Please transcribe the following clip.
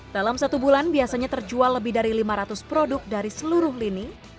dalam satu bulan biasanya terjual lebih dari lima ratus produk dari seluruh lini